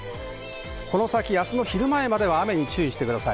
明日の昼前まで雨に注意してください。